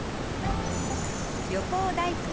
旅行大好き！